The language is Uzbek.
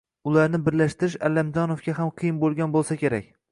Ularni birlashtirish Allamjonovga ham qiyin bo‘lgan bo‘lsa kerak.